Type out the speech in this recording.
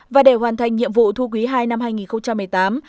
và để hoàn thành nhiệm vụ thu quý ii năm hai nghìn một mươi tám